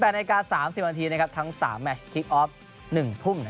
๘นาที๓๐นาทีทั้ง๓แมชคิกออฟ๑ทุ่ม